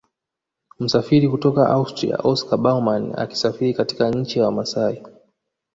Mtafiti kutoka Austria Oscar Baumann akisafiri katika nchi ya Wamasai